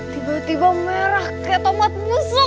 tiba tiba merah kayak tomat busuk